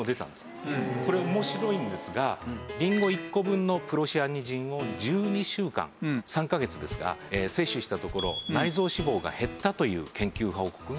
これ面白いんですがりんご１個分のプロシアニジンを１２週間３カ月ですが接種したところ内臓脂肪が減ったという研究報告があります。